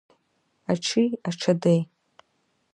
Аҽи аҽадеи!